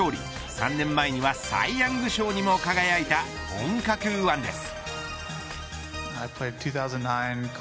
３年前にはサイヤング賞にも輝いた本格右腕です。